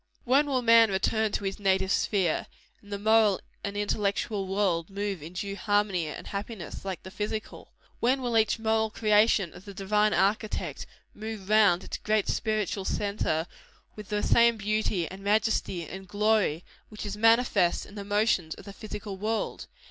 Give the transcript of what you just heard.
When will man return to his native sphere, and the moral and intellectual world move in due harmony and happiness, like the physical? When will each moral creation of the Divine Architect, move round its great spiritual centre, with the same beauty, and majesty, and glory, which is manifest in the motions of the physical world?